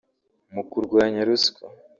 mu kurwanya ruswa